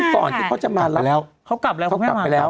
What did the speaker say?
กลับไปแล้วเขากลับไปแล้ว